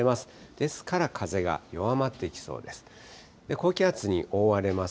ですから、風が弱まっていきそうです。